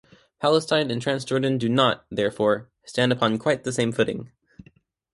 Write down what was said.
Palestine and Trans-Jordan do not, therefore, stand upon quite the same footing.